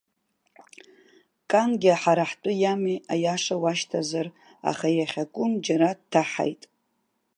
Кангьы ҳара ҳтәы иами, аиаша уашьҭазар, аха иахьакәым џара дҭаҳаит.